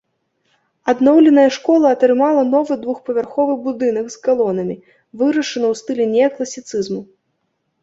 Адноўленая школа атрымала новы двухпавярховы будынак з калонамі, вырашаны ў стылі неакласіцызму.